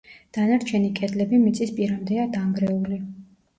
დანარჩენი კედლები მიწის პირამდეა დანგრეული.